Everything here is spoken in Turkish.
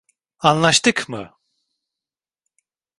Anlaştık mı?